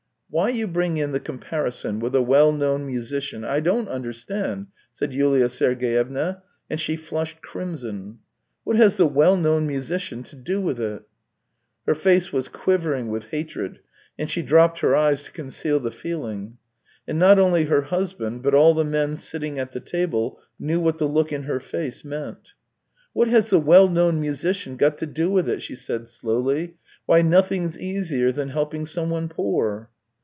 " Why you bring in the comparison with a well known musician I don't understand !" said Yulia Sergeyevna, and she flushed crimson. " What has the well known musician to do with it !" Her face was quivering with hatred, and she dropped her eyes to conceal the feeling. And not only her husband, but all the men sitting at the table, knew what the look in her face meant. " What has the well known musician got to do with it ?" she said slowly. " Why, nothing's easier than helping someone poor."